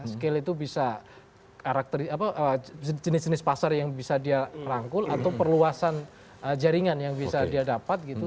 skill itu bisa jenis jenis pasar yang bisa dia rangkul atau perluasan jaringan yang bisa dia dapat gitu